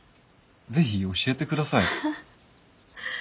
是非教えてください。